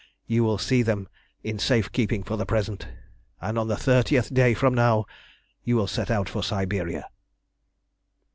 You will see them in safe keeping for the present, and on the thirtieth day from now you will set out for Siberia."